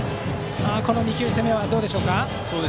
この２球の攻めはどうですか？